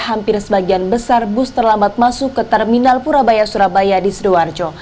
hampir sebagian besar bus terlambat masuk ke terminal purabaya surabaya di sidoarjo